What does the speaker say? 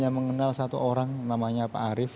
mengenal satu orang namanya pak arief